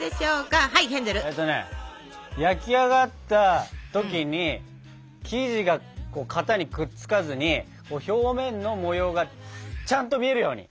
えとね焼き上がった時に生地が型にくっつかずに表面の模様がちゃんと見えるように！